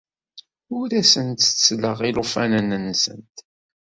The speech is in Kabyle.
Ur asent-ttettleɣ ilufanen-nsent.